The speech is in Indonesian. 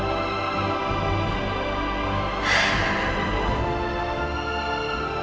kamu bisa berharap